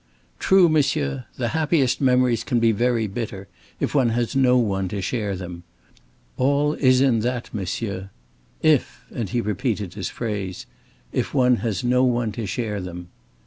"True, monsieur. The happiest memories can be very bitter if one has no one to share them. All is in that, monsieur. If," and he repeated his phrase "If one has no one to share them."